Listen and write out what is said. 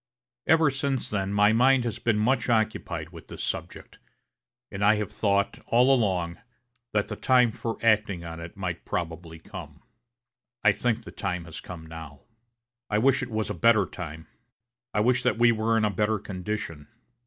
Ever since then my mind has been much occupied with this subject, and I have thought, all along, that the time for acting on it might probably come. I think the time has come now. I wish it was a better time. I wish that we were in a better condition.